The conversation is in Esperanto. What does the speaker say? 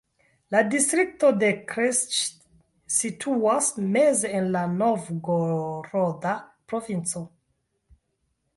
La distrikto de Krestci situas meze en la Novgoroda provinco.